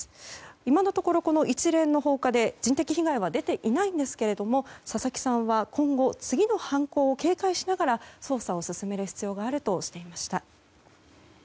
今のところ、一連の放火で人的被害は出ていないんですが佐々木さんは今後、次の犯行を警戒しながら捜査を進める必要があるとしていました。